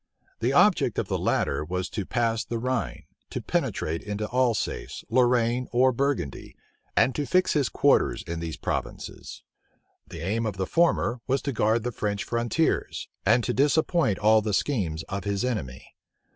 The object of the latter was to pass the Rhine, to penetrate into Alsace, Lorraine, or Burgundy, and to fix his quarters in these provinces: the aim of the former was to guard the French frontiers, and to disappoint all the schemes of his enemy.